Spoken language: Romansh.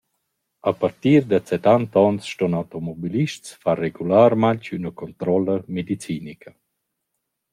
A partir da settant’ons ston automobilists far regularmaing üna controlla medicinica.